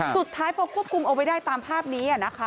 สุดท้ายพอควบคุมเอาไว้ได้ตามภาพนี้นะคะ